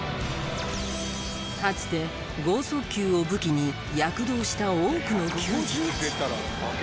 かつて剛速球を武器に躍動した多くの球児たち。